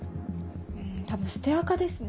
多分捨てアカですね。